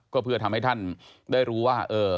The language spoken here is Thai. ก็เพื่อทำให้ท่านได้รู้ว่า